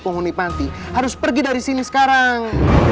pohonipanti harus pergi dari sini sekarang